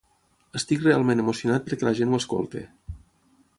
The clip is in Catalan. Estic realment emocionat perquè la gent ho escolti.